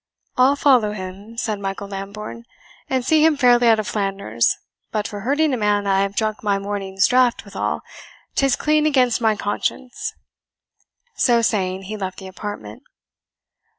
"I'll follow him," said Michael Lambourne, "and see him fairly out of Flanders; but for hurting a man I have drunk my morning's draught withal, 'tis clean against my conscience." So saying, he left the apartment.